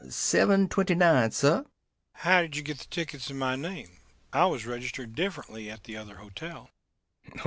"Seven twenty nine, sir." "How did you get the tickets, in my name? I was registered differently at the other hotel."